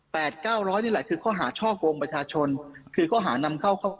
เก้าร้อยนี่แหละคือข้อหาช่อกงประชาชนคือข้อหานำเข้าเข้า